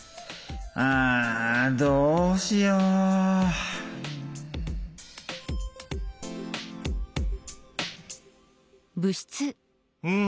あどうしよううん。